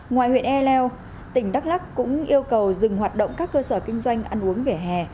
ngoài huyện e leo tỉnh đắk lắc cũng yêu cầu dừng hoạt động các cơ sở kinh doanh ăn uống vỉa hè